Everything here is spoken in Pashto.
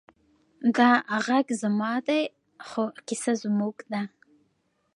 دا غږ زما دی، خو کیسه زموږ ده.